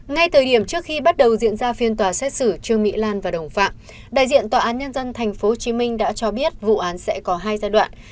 ngay thời điểm trước khi bắt đầu diễn ra phiên tòa xét xử trương mỹ lan và đồng phạm đại diện tòa án nhân dân tp hcm đã cho biết vụ án sẽ có hai giai đoạn